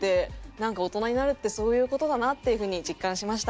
なんか大人になるってそういう事だなっていう風に実感しました。